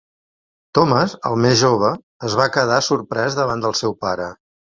Thomas, el més jove, es va quedar sorprès davant del seu pare.